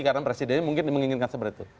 karena presidennya mungkin menginginkan seperti itu